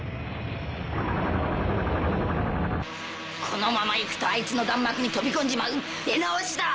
このまま行くとあいつの弾幕に飛び込んじまう出直しだ！